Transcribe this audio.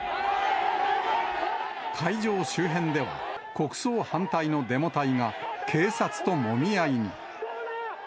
会場周辺では、国葬反対のデモ隊が、警察ともみ合いに。